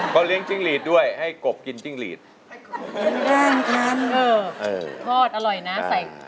เขาเลี้ยงจิ้งหลีดด้วยให้กบกินจิ้งหลีดพอดอร่อยนะ